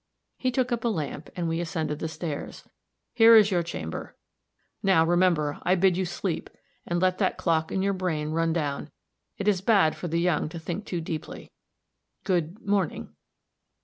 He took up a lamp, and we ascended the stairs. "Here is your chamber. Now, remember, I bid you sleep, and let that clock in your brain run down. It is bad for the young to think too deeply. Good morning."